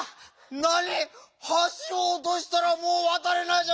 なに⁉はしをおとしたらもうわたれないじゃないか！